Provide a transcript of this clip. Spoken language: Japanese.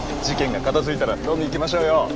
事件が片づいたら飲み行きましょうよ